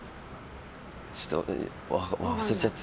ちょっと忘れちゃって。